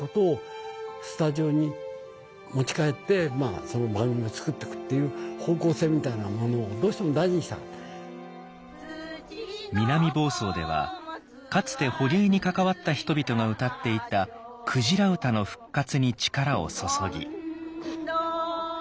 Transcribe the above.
彼は今思うとで珍しいとこ行って南房総ではかつて捕鯨に関わった人々が歌っていた「鯨唄」の復活に力を注ぎ。